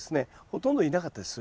ほとんどいなかったです